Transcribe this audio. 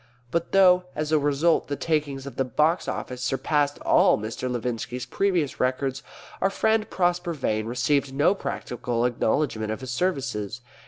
But though, as a result, the takings of the Box Office surpassed all Mr. Levinski's previous records, our friend Prosper Vane received no practical acknowledgment of his services.